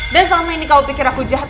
dan selama ini kamu pikir aku jahat